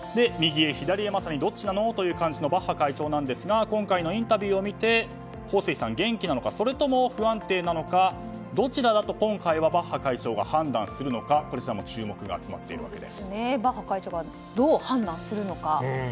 右へ左へまさにどっちなのという感じのバッハ会長なんですが今回のインタビューを見てホウ・スイさんは元気なのかそれとも不安定なのかどちらだと今回はバッハ会長が判断するのかこちらも注目が集まっています。